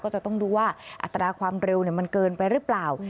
ก็จะต้องดูว่าอัตราความเร็วมันเกินไปหรือเปล่า